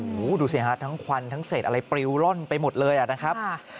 โอ้โหดูสิฮะทั้งควันทั้งเศษอะไรปริวร่อนไปหมดเลยอ่ะนะครับ